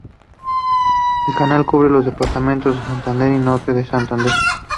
El canal cubre los departamentos de Santander y Norte de Santander.